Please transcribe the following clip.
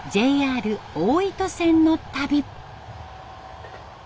ＪＲ大糸線の旅。